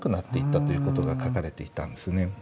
ということが書かれていたんですね。